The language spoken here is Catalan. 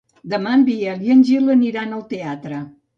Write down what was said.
Demà en Biel i en Gil aniran al teatre.